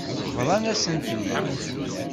Bḍan-asent-ten-id.